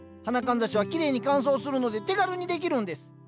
花かんざしはきれいに乾燥するので手軽にできるんです。